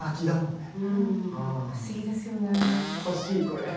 欲しいこれ。